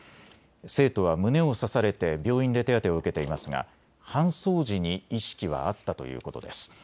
生徒は胸を刺されて病院で手当てを受けていますが搬送時に意識はあったということです。